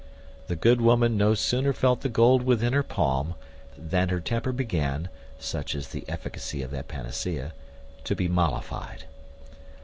The good woman no sooner felt the gold within her palm, than her temper began (such is the efficacy of that panacea) to be mollified.